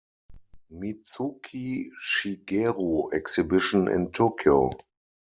Mizuki Shigeru Exhibition in Tokyo.